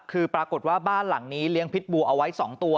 คือปรากฏว่าบ้านหลังนี้เลี้ยงพิษบูเอาไว้๒ตัว